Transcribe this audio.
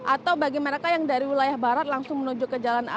atau bagi mereka yang dari wilayah barat langsung menuju ke jalan